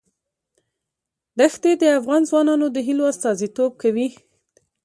ښتې د افغان ځوانانو د هیلو استازیتوب کوي.